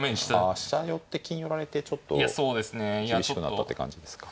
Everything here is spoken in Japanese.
ああ飛車寄って金寄られてちょっと厳しくなったって感じですか。